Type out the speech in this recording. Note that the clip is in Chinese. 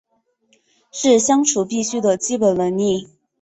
是相处必须的基本能力